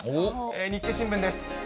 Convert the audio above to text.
日経新聞です。